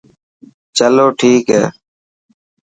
چلو ٺيڪ هي.